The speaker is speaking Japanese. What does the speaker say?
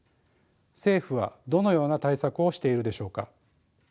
政府はどのような対策をしているでしょうか。